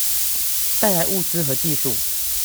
帶來物資和技術